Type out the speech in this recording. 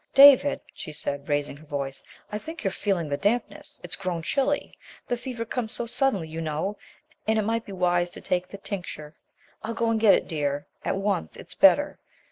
"David," she said, raising her voice, "I think you're feeling the dampness. It's grown chilly. The fever comes so suddenly, you know, and it might be wide to take the tincture. I'll go and get it, dear, at once. It's better."